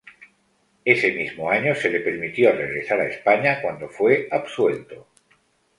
Ese mismo año se le permitió regresar a España, cuando fue absuelto.